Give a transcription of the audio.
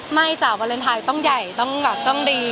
ไม่จ้ะวาเลนไทยต้องใหญ่ต้องดีอะไรอย่างนี้